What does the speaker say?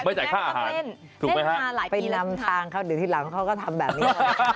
ไม่จ่ายค่าอาหารถูกไหมฮะเป็นลำทางเขาหรือที่ลำเขาก็ทำแบบนี้